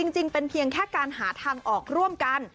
จริงเป็นเพียงแค่การหาทางออกร่วมกัน